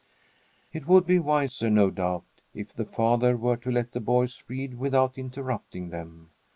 It would be wiser, no doubt, if the father were to let the boys read without interrupting them.